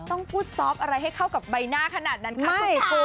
ต้องปูซอปอะไรให้เข้ากับใบหน้าขนาดนั้นค่ะ